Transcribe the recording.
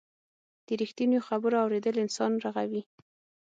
د رښتینو خبرو اورېدل انسان رغوي.